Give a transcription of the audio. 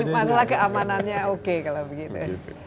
masalah keamanannya oke kalau begitu